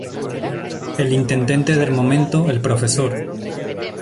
El intendente del momento el Prof.